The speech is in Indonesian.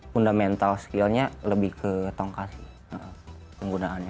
fundamental skillnya lebih ke tongkat sih penggunaannya